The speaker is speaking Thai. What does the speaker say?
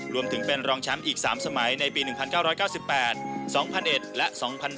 รวมถึงเป็นรองแชมป์อีก๓สมัยในปี๑๙๙๘๒๐๐๑และ๒๐๑๘